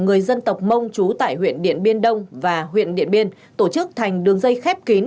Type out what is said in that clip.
người dân tộc mông trú tại huyện điện biên đông và huyện điện biên tổ chức thành đường dây khép kín